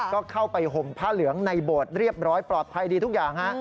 ก็เข้าไปห่มผ้าเหลืองในโบสถ์เรียบร้อยปลอดภัยดีทุกอย่างฮะ